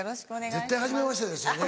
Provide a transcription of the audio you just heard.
絶対はじめましてですよね。